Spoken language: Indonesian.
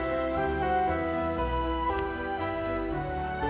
semakin dia bisa lebih baik